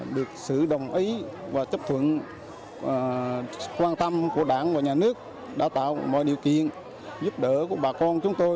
được sự đồng ý và chấp thuận quan tâm của đảng và nhà nước đã tạo mọi điều kiện giúp đỡ của bà con chúng tôi